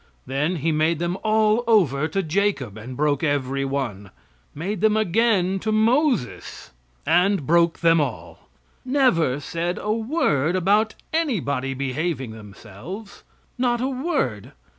Then He made them all over to Jacob, and broke every one; made them again to Moses, and broke them all. Never said a word about anybody behaving themselves not a word.